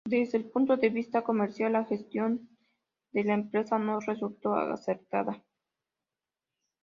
Desde el punto de vista comercial la gestión de la empresa no resultó acertada.